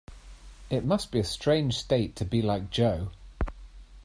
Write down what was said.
It must be a strange state to be like Jo!